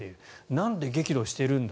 なんで、激怒しているんだ。